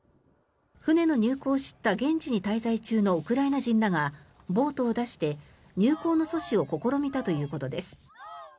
船の入港を知った現地に滞在中のウクライナ人らがボートを出して、入港の阻止を試みたということです。